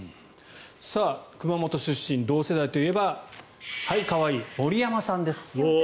熊本出身、同世代といえばはい、可愛い、森山さんです。